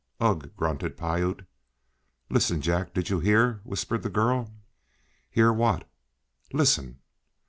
"Ugh!" grunted Piute. "Listen, Jack; did you hear?" whispered the girl. "Hear what?" "Listen."